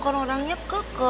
kan orangnya keke